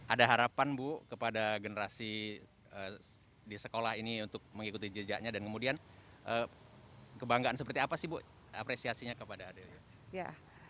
ada harapan bu kepada generasi di sekolah ini untuk mengikuti jejaknya dan kemudian kebanggaan seperti apa sih bu apresiasinya kepada ade